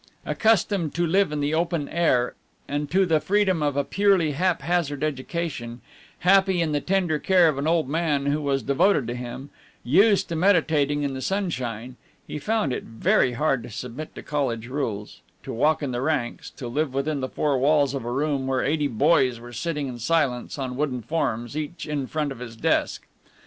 Accustomed to live in the open air, and to the freedom of a purely haphazard education, happy in the tender care of an old man who was devoted to him, used to meditating in the sunshine, he found it very hard to submit to college rules, to walk in the ranks, to live within the four walls of a room where eighty boys were sitting in silence on wooden forms each in front of his desk.